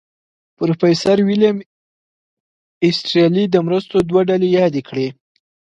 پروفیسر ویلیم ایسټرلي د مرستو دوه ډلې یادې کړې.